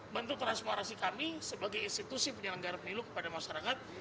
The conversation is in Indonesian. bentuk transparansi kami sebagai institusi penyelenggara pemilu kepada masyarakat